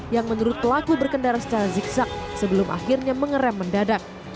yang menurut pelaku berkendara secara zigzag sebelum akhirnya mengeram mendadak